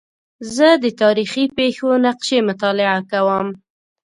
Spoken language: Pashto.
زه د تاریخي پېښو نقشې مطالعه کوم.